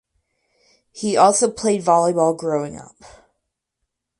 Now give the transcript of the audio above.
He also played volleyball growing up.